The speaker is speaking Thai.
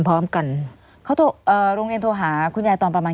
พร้อมกันเขาโทรเอ่อโรงเรียนโทรหาคุณยายตอนประมาณ